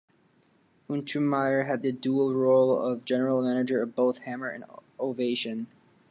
Untermyer had the dual role of general manager of both Hamer and Ovation.